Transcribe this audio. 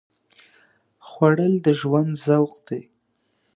خوړل د ژوند ذوق دی